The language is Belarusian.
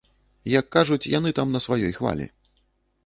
Як кажуць яны там на сваёй хвалі.